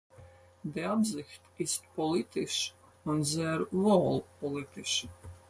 Die Absicht ist politisch und sehr wohl politisch.